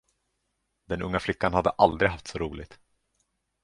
Den unga flickan hade aldrig haft så roligt.